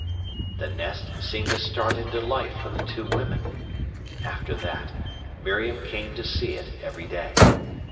The nest seemed to start into life for the two women. After that, Miriam came to see it every day.